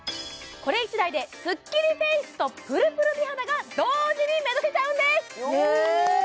これ１台でスッキリフェイスとぷるぷる美肌が同時に目指せちゃうんです！